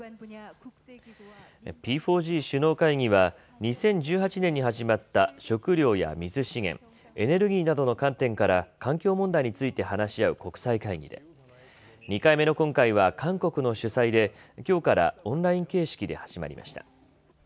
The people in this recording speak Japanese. Ｐ４Ｇ首脳会議は２０１８年に始まった食糧や水資源、エネルギーなどの観点から環境問題について話し合う国際会議で２回目の今回は韓国の主催できょうからオンライン形式で始まりました。